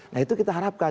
nah itu kita harapkan